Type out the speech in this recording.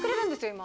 今。